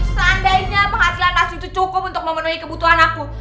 seandainya penghasilan nasi itu cukup untuk memenuhi kebutuhan aku